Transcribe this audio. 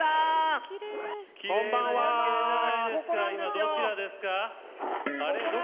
どちらですか？